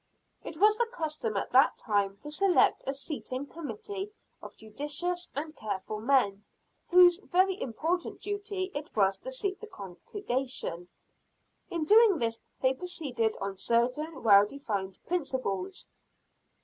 It was the custom at that time to select a seating committee of judicious and careful men, whose very important duty it was to seat the congregation. In doing this they proceeded on certain well defined principles.